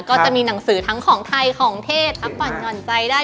ก็จะมีหนังสือทั้งของไทยของเทศพักผ่อนหย่อนใจได้